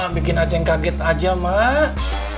bikin aceh kaget aja mak